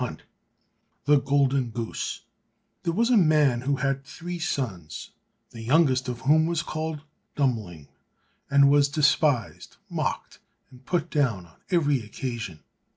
64 The Golden Goose There was a man who had three sons, the youngest of whom was called Dummling, and was despised, mocked, and put down on every occasion.